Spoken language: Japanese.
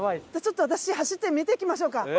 ちょっと私走って見てきましょうか？